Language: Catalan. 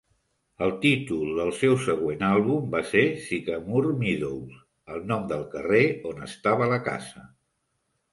El títol del seu següent àlbum va ser "Sycamore Meadows", el nom del carrer on estava la casa.